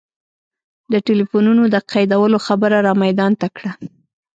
د ټلفونونو د قیدولو خبره را میدان ته کړه.